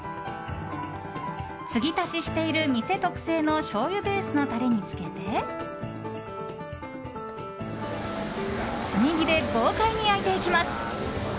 継ぎ足ししている店特製のしょうゆベースのタレに漬けて炭火で豪快に焼いていきます。